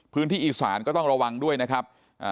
พื้นที่อีสานก็ต้องระวังด้วยนะครับ